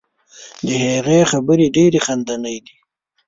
د هغې خبرې ډیرې خندنۍ دي.